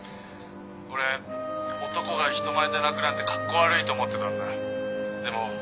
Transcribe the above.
俺男が人前で泣くなんてかっこ悪いと思ってたんだでも。